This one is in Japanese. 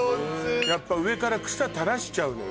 やっぱ上から草垂らしちゃうのよ